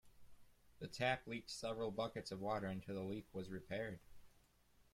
The tap leaked several buckets of water until the leak was repaired.